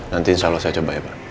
nanti insya allah saya coba ya pak